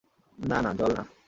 না, না, জল না।